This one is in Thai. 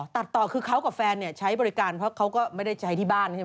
ตัดต่อคือเขากับแฟนใช้บริการเพราะเขาก็ไม่ได้ใช้ที่บ้านใช่ไหม